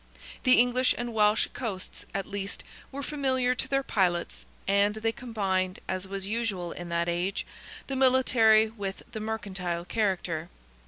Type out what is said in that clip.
The English and Welsh coasts, at least, were familiar to their pilots, and they combined, as was usual in that age, the military with the mercantile character.